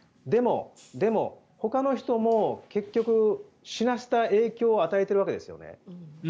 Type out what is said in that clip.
でもほかの人も結局、死なせた影響を与えているわけですね。